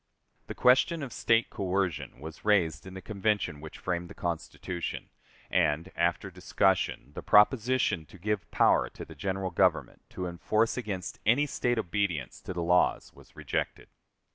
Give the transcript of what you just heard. The question of State coercion was raised in the Convention which framed the Constitution, and, after discussion, the proposition to give power to the General Government to enforce against any State obedience to the laws was rejected.